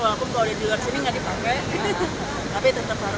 walaupun kalau udah di luar sini gak dipakai